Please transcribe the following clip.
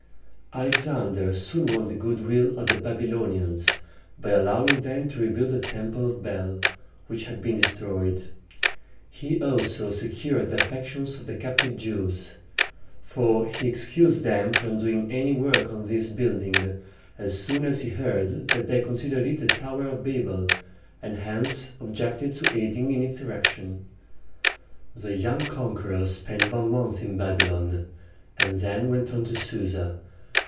Alexander soon won the good will of the Babylonians by allowing them to rebuild the Temple of Bel, which had been destroyed. He also secured the affections of the captive Jews; for he excused them from doing any work on this building as soon as he heard that they considered it the Tower of Babel, and hence objected to aiding in its erection. The young conqueror spent one month in Babylon, and then went on to Su´sa.